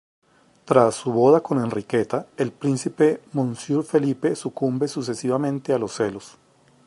Tras su boda con Enriqueta, el príncipe "Monsieur" Felipe sucumbe sucesivamente a los celos.